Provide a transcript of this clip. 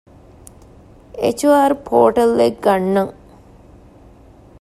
އެޗް.އާރު ޕޯޓަލްއެއް ގަންނަން